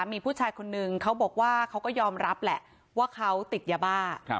มีผู้ชายคนนึงเขาบอกว่าเขาก็ยอมรับแหละว่าเขาติดยาบ้า